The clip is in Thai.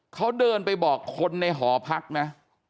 เขาเดินไปบอกคนในหอพักนะ